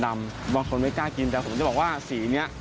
บางคนไม่กล้ากินแต่ผมจะบอกว่าสีนี้